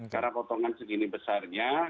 karena potongan segini besarnya